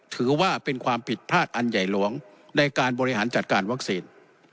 ถือว่าเป็นความผิดพลาดอันใหญ่หลวงในการบริหารจัดการวัคซีน